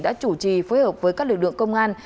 đã chủ trì phối hợp với các lực lượng công an